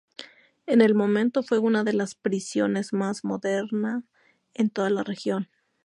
En el momento fue una de las prisiones más moderna en toda la región.